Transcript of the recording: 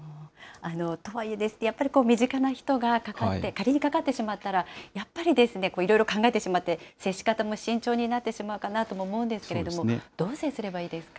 とはいえ、やっぱり身近な人が仮にかかってしまったら、やっぱりですね、いろいろ考えてしまって、接し方も慎重になってしまうかなと思うんですけれども、どう接すればいいですか。